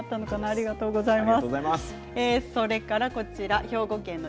ありがとうございます。